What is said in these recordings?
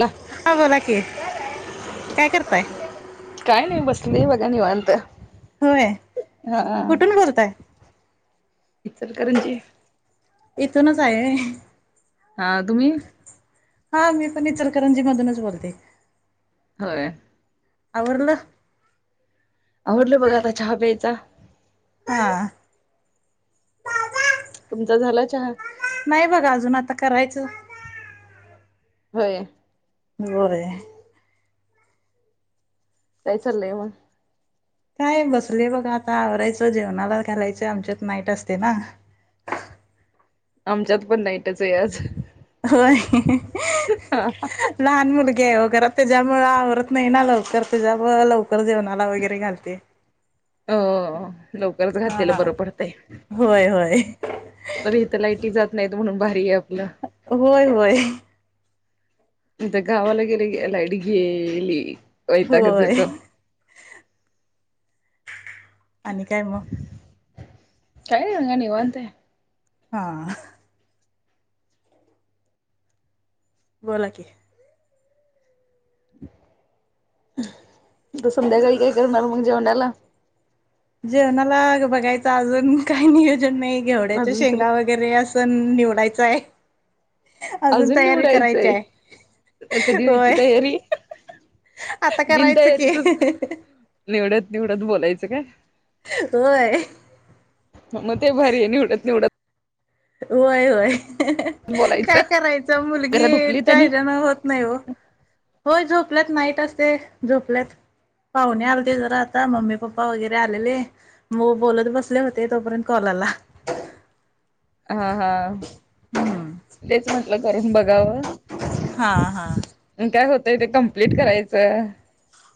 ला हा बोला की काय करताय? काय नाइ बसले बघा निवांत. होय हा कुठून बोलताय? इचरकरंजी. इथूनच हाय व्हय. हा तुम्ही? हा मी पण इचलकरंजी मधूनच बोलते. व्हय. आवरलं. आवरलं बघा आता चहा प्यायचा. हा. तुमचा झाला चहा? नाइ बघा अजून आता करायचं. व्हय. [inaudible] काय चाललंय म? काय बसले बघा आता आवरायचं जेवणाला घालायच आमच्यात नाईट असते ना. आमच्यात पण नाईटचाय आज. व्हय. लहान मुलगीय तेच्यामुळं आवरत नाइ ना लवकर तेच्यामुळ लवकर जेवणाला वगैरे घालते. ओ ओ लवकरच घातलेलं हा बरं पडतंय. होय होय बर इथं लाईटी जात नाइत म्हणून भारीयाय आपलं. होय व्हय. गावाला गेलं की लाइट गेली वैतागच होय येतो. आणि काय म? काय [unintelligible] निवांत. हा आ. बोला की. संध्याकाळी काय करणार म जेवणाला? जेवणाला गं बघायचं अजून काय नियोजन नाही घेवड्याच्या अजून सरी शेंगा वग [unintelligible] निवडायचाय. अजून तयारी करायची हाय कधी व्हायची होय. तयारी आता करायचं की. बिनतयारीतच निवडत निवडत बोलायचं काय? व्हय. म ते भारीय निवडत निवडत व्हय व्हय काय बोलायचं करायचं जरा धुपलीत मुलगीच्या आणि हेजान होत नाइ ओ. होय झोपल्यात नाईट असते झोपल्यात पाहुणे आलते जरा आता मम्मी पप्पा वगरे आलेले म बोलत बसले होते तोपर्यंत कॉल आला. हा हा हम्म तेच म्हंटलं करून बघावं हा हा काय होतय ते कम्प्लीट करायचं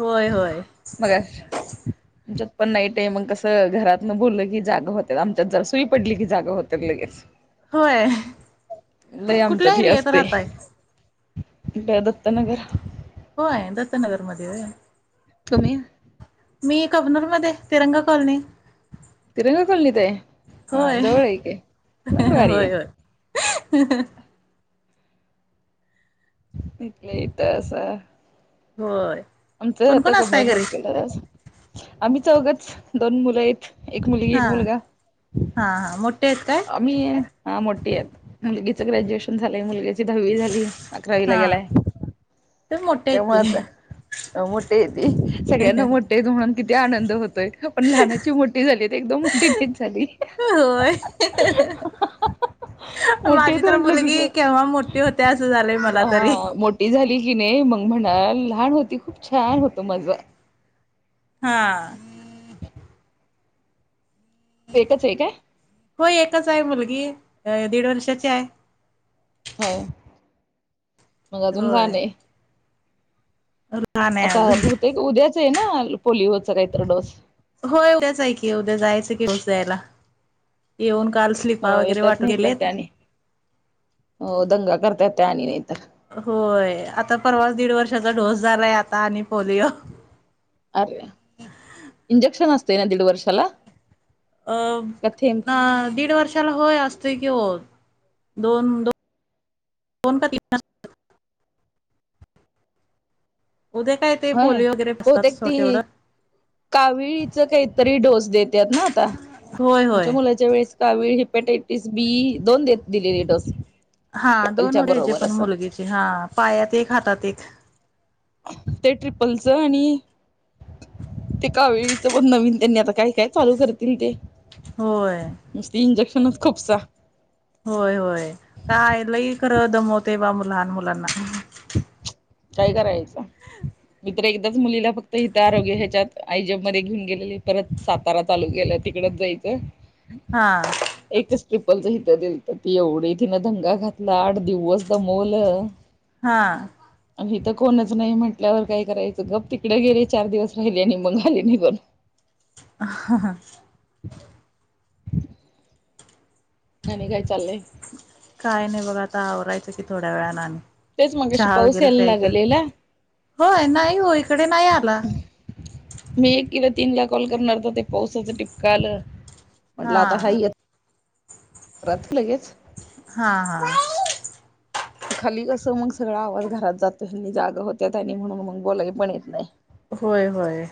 होय होय मग आच्यात पण नाईट आहे मग कसं घरात न बोललं की जागा होत आमच्यात जरा सुई पडली की जागा होत लगेच होय ल कुठल्या आमच्याती एरियात असते राहताय कु दत्तनगर हो आहे दत्तनगर मध्ये तुमही मी कबनूरमध्येध्ये तिरंगा कॉलनी तिरंगा कोल्लीित होय आहेम दवळक मंगळवारी आहे होय [inaudible] इ तर असं होय आमच कोण आता कोण असताय कमरर घरी हायसकेलर आम्ही चौघच दोन मुलं आहेत एक मुलगी एक हा मुलगा हा हा मोठे आहेत काय मी हा मोठी आहे मुलगीच ग्रॅज्युएशन झालंय मुलगी दहावी झाली अकरावी ला हा गेलाय मोठे ते आहेत की मत मोठे येत सगळ्यांना मोठ म्हणून किती आनंद होतोय पण लहानाची मोठी झाली ते एकदम मोठी नाहीच झाली होय मोठी माझी आहेत तर म्हटलं मुलगी की केव्हा मोठी होते असं झालंय मला तरी ी झाली की नाही मग म्हणाल लहान होती खूप छान होत माझं हा एकच एक आहे हो एकच आहे मुलगी दीड वर्षाची आहे ह मग अजून होय झाणे लहान आहे आता अजून बहुतेक उद्याच आहे ना पोलिओचा काहीत डोस होय उद्याच आहे की उद्या जायचं की उद्यायला येऊन कालच हो येतत नाही तरर त्याने हो दंगा करतत त्या आणि नाहीतर होय आता परवास दीड वर्षाचा डोस झालाय आता आणि पोलिओ अरे इंजेक्शन असते ना दीड वर्षाला अ का थेंब ना दीड वर्ष अस क दोनन का उद्या काय ते होय पोलिओ वगैरे बसतात तेवढं कावीळीच काहीतरी डोस देत ना आता होय आमच्या होय मुलाच्या वेळेस कावीळ हेपटायटिस बी दोन देत दिलेली डोस हा दोन ट्रिपलच्या वढे ह्याचे बरोबर पण असं मुलगीचे हा पायात एक हातात एक ते ट्रिपलचं आणि ते कावेळीचं पण नवीन त्यांनी आता काही काय चालू करतील ते होय मस्ती इंजेक्शनच खूपसा होय होय काय लई खरं दमवते बा लहान मुलांना काय करायचं मी्र एकदाच मुलीला फक्त हता आरोग्य ह्याच्यात आयजप मध्ये घेऊन गेलेले परतचा सारा तालुक्याला तिकडच जायचं हा एकच ट्रिपलच हिथं दिल तर ती एवढी तिनं दंगा घातला आठ दिवस दमवलं हा आणि हिथं कोणच नाही म्हटल्यावर काय करायचं गप्प तिकडे गेले चार दिवस राहिले आणि मग आले निघून हां हां आणि काय चाललंय काय नाही बघ आता आवरायचं की थोड्या वेळानं आणि तेच मगशी चहा पाऊस वगैरे यायला प्यायचं लागलेला होय? नाही ओ इकडे नाही आला. मी एकीला तीनला कॉल करणार होते, तर ते पावसाचं टिपक आलं म्हटलं आता हा हाय ह्य रात्री लगेच हां हां. खाली कस मग सगळा आवाज घरात जातो. ह्यांनी जाग होतात आणि म्हणून मग बोलाय पण येत नाही. होय होय.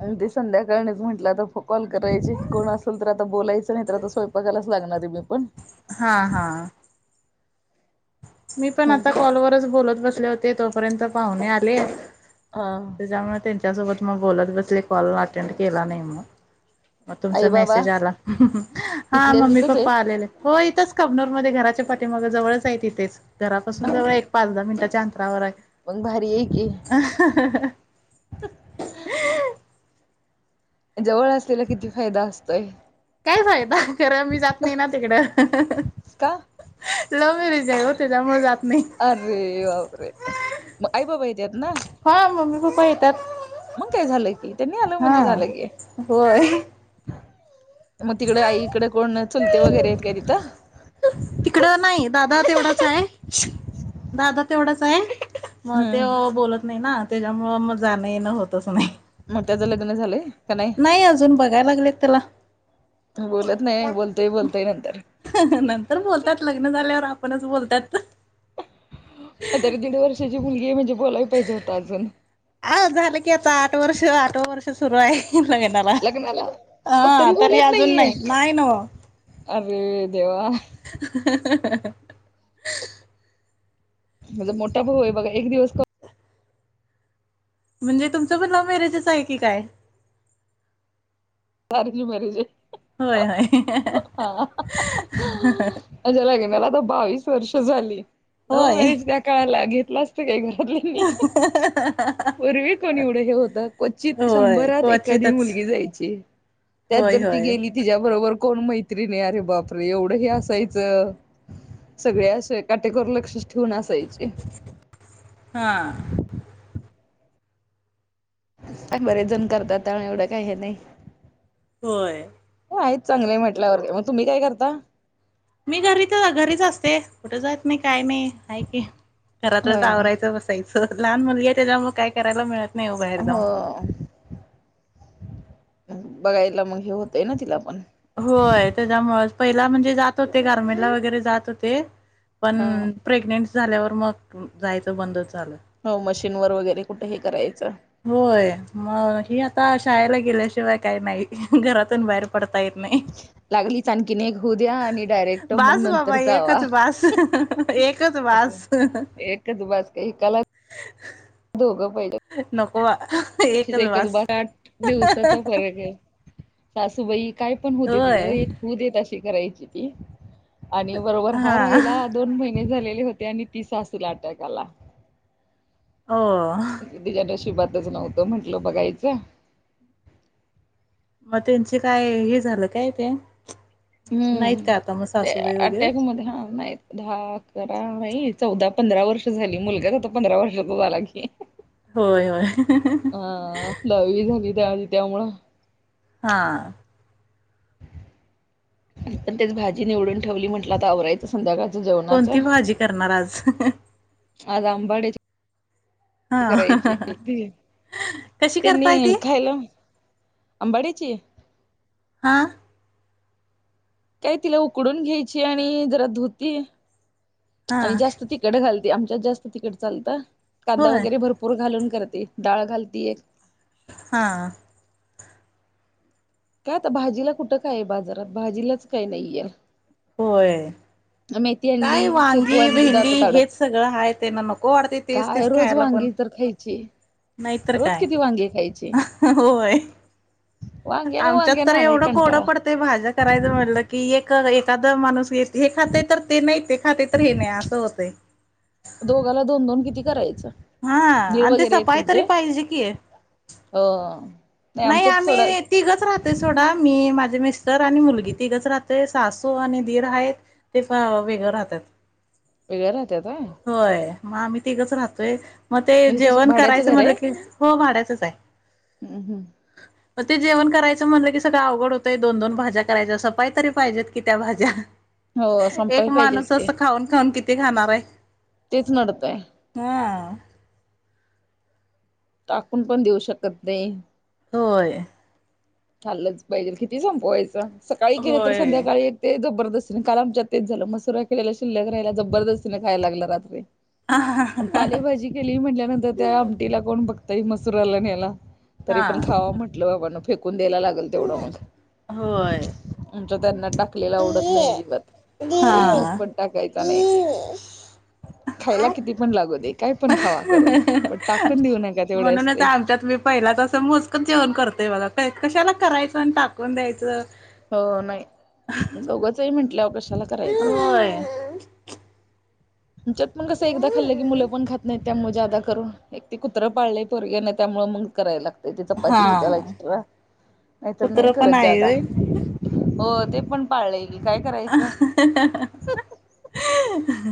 आणि ते संध्याकाळनच म्हटलं आता फो कॉल करायचे. कोण असेल तर आता बोलायचं, नाही तर आता स्वयंपाकायलाच लागणार आहे मी पण. हां हां. मी पण आता कॉलवरच बोलत बसले होते. तोपर्यंत पाहुणे आले. अ त्याच्यामुळे त्यांच्यासोबत मग बोलत बसले कॉल अटेंड केला नाही मग. मग तुमचा आई बाबा मेसेज आला. हा तिथल्या मम्मी तिथंच आहेत पप्पा आलेले. हो इथंच कबनूरमध्ये घराच्या पाठीमाग जवळच आहेत इथेच. घरापासून ह जवळ एक पाच दहा मिनटच्या अंतर रावराय मग भारी आहे की. [unintelligible] जवळ असलेला किती फायदा असतोय? काय फायदा? खरं मी जात नाही ना तिकडं. का लव मॅरेज आहे ओ त्याच्यामुळ जात नाही. अरे बाप रे! मग आई बाबा येत्यात ना. हा मम्मी पप्पा येतात. मग काय झालं की त्यांनी आलं म्हणजे हां, झालं की होय. मग तिकडे आईकड कोण चुलते वगैरे आहेत काय तिथं? तिकडं नाही. दादा तेवढाच आहे, दादा तेवढाच आहे. म त्यो हम्म बोलत नाही ना. त्याच्यामूळ मग जाणं येणं होतच नाही. मग त्याचं लग्न झालंय का नाही? अजून बघायला लागलेत त्याला बोलत नाही, बोलतय बोलतय नंतर. नंतर बोलतात. लग्न झाल्यावर आपणच बोलतात. आता तरी दीड वर्षाची मुलगी आहे, म्हणजे बोलाय पाहिजे होता अजून. हा झालं की आता आठ वर्ष, आठव वर्ष सुरु आहे लग्नाला. लग्नाला हो हा तरी बोलत अजून नाहीये नाही. नाही नव्ह. अरे देवा! [unintelligible] माझा मोठा भाऊ आहे बघा. एक दिवस म्हणजे तुमचं पण लव मॅरेजच आहे की काय? अरेंज मॅरेज आहे. होय होय हा. माझ्या लग्नाला आता बावीस वर्ष झाली. लव्ह होय मॅरेज त्या काळाला घेतला असत काय घरातले? [unintelligible] पूर्वी कोण एवढं हे होतं? क्वचित होय शंभरात एखादी क्वचितच मुलगी जायची. त्यात होय जर ती होय गेली. तिच्या बरोबर कोण मैत्रीण आहे अरे बाप रे! एवढं हे असायचं. सगळे असे काटेकोर लक्षच ठेवून असायचे. हां. पण बरेच जण करतात त्यामुळं एवढं काही हे नाही. होय. हो आहेच चांगलंय म्हटल्यावर. मग तुम्ही काय करता? मी घरीच घरीच असते. कुठे जात नही काय नही. हाय की, घरातलच होय आवरायचं बस. हं ह लहान मुलगी आहे त्याज्यामुळे काय करायला मिळत नाही. बाहेर हो जाऊन बघायला मग हे होतय ना तिला पण होय. त्याच्यामुळेच पहिला म्हणजे जात होते गारमेला वगैरे जात होते. पण हा प्रेग्नेंट झाल्यावर मग जायचं बंदच झालं. हो मशीन वर वगैरे कुठे हे करायचं. होय. म ही आता शाळेला गेल्याशिवाय काही नाही. घरातून बाहेर प पडतायेत नाही लागलीच आणखीन एक होऊ द्या आणि डायरेक्ट मग बास नंतर बाबा जावा एकच बाास. एकच असं बास हं ह. एकच बास का एकाला दोघं पहिलं. नकोवा. [unintelligible] दिवसाचा फरक आहे. सासूबाई काय पण हू देत ग होय एक हो देत अशी करायची ती आणि बरोबर हा राहिला दोन महिने झालेले होते आणि ती सासूला अटॅक आला. हो. तिज्या नशिबातच नव्हतं म्हटलं बघायचं. म त्यांची काय हे झालं काय ते नाहीत हम्म का आता मग ते सासूबाई वगैरे अटॅकमध्ये [unintelligible] दहा अकरा नाही चौदा पंधरा वर्ष झाली मुलगाच आता पंधरा वर्षाचा झाला की हं ह ह. होय होय हं ह ह. हा दहावी झाली त्याजी त्यामुळं. हां. मी पण तेच भाजी निवडून ठेवली म्हटलं आता आवरायच. संध्याकाळच्या जेवणाच कोणती भाजी करणार आज आज आंबाड्याच्या हा करायची कशी करताय ती त्यांनी खायल. आंबाड्याची हा. काय तिला उकडून घ्यायची आणि जरा धुती हा आणि जास्त ती तिकड घालते आमच्यात जास्त तिखट चालत कांदा होय वगैरे भरपूर घालून करते डाळ घालती. हा. काय आता भाजीला कुठं काय बाजारात भाजीलाच काय नाहीये. होय मेथी काय आणली, शेपू वांगी आणली भेंडी दातात अडत हेच सगळं हाय त्यान नको वाटतय. काय रोज वांगी तर खायची. नाहीतर रोज काय किती वांगे खायचे अहं ह होय. वांग्याने आमच्यात वांग्याने तर आलाय एवढं कोडं कंटाळा. पड. ते भाज्या करायचं म्हटलं की एक एखाद माणूस येस. हे खातय तर ते नाही ते खातय तर हे नाही असं होतं. दोघाला दोन दोन किती करायचं हा देव आणि ते वगैरे आहेत सफाई तरी तुमचे पाहिजे की हो. नाही आम्ही तिघच राहतोय सोडा मी माझे मिस्टर आणि मुलगी तिघच राहतोय सासू आणि दिर हायत. ते फा वेगळं राहत्यात. वेगळ राहत्यात होय. होय म आम्ही तिघच राहतोय म ते मग इथं जेवण भाड्याचं करायचं घर म्हटलं की हो भाड्याचंच आहे. हम् हम्म. म ते जेवण करायचं म्हणलं की सगळं अवघड होतंय दोन दोन भाज्या करायच्या सपाय तरी पाहिजेत की त्या भाज्या. हो एक संपाय पाहिजेत माणूस की अस खाऊन खाऊन किती खाणाराय. तेच नडतय. हां. टाकून पण देऊ शकत नाही होय. खाल्लाच पाहिजेल, किती संपवायचं सकाळी केलं तर होय संध्याकाळी ते जबरदस्तीने, काल आमच्यात तेच झालं मसुरा केलेला शिल्लक रहाला, जबरदस्तीने खायला लागला रात्री. आणि पालेभाजी केली, म्हंटल्यानंतर त्या आमटीला कोण बघताय मसुराला न हेला. तरी हा पण खावा म्हटलं बाबानो, फेकून द्यायला लाग तय तेवढ मग, होय आमच्या त्यांना टाकलेल आवडत नाही अजिबात. हा टाकायच नाही, खायला हा किती पण लागू दे. काय पण खावा करून पण, टाकून देऊ नका तेवढे म्हणूनच असते. आमच्यात मी पहिलाच असं मोजकच जेवण करतोय बघा, काय कशाला करायचं आणि टाकून द्यायचं? हो, नाही दोघच आहे म्हंटल्यावर कशाला करायचं? होय आमच्यात पण कसं एकदा खाल्लं की, मुलं पण खात नाहीत. त्यामुळे जादा करून, एक ते कुत्रं पाळलंय पोरग्यानं आणि त्यामुळं मग कराय लाग त ते हा चपाती त्याला एक्स्ट्रा, नाहीतर नाही कुत्र पण करत आहे जादा. होय हो ते पण पाळलंय की, काय करायचं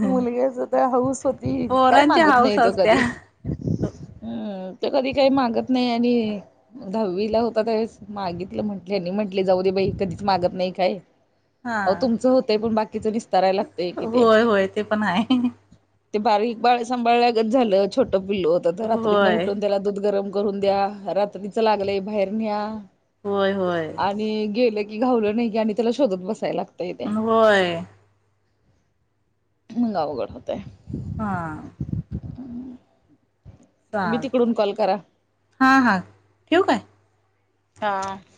मुलग्याचं हौस होती, काय पोरांची मागत नाही हाऊस तो असत्या कधी हम्म, त्यो कधी काही मागत नाही आणि दहावीला होता, त्यावेळेस मागितलं म्हटले ह्यांनी म्हट ले जाऊदे कधीच मागत नाही काय, हा अहो तुमचं होतंय पण बाकीचं डीस् करायला लागतंय की ते. होय होय ते पण आहे ते बारीक बाळ सांभाळल्यागत झालं, छोटं पिल्लू होतं तर रात्रीत न होय उठून त्याला दूध गरम करून द्या, रात्रीचं लागलंय बाहेर न्या. होय होय. आणि गेलं की घावलं नाही की, आणि त्याला शोधत बसायला लागत इथे. होय अवघड होतंय. हां. तुम्ही चालतंय, तिकडून कॉल करा हां हां, ठेऊ काय? हां.